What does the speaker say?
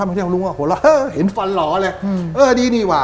พามาเที่ยวลุงก็หัวเราะเห็นฟันหล่อแหละเออดีนี่หว่า